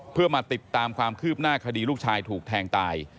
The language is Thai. เพื่อมาติดตามความคืบหน้าคดีลูกชายถูกแทงตาย